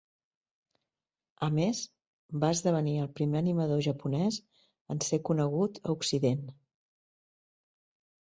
A més va esdevenir el primer animador japonès en ser conegut a occident.